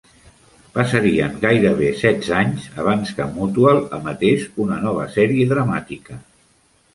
Passarien gairebé setze anys abans que Mutual emetés una nova sèrie dramàtica.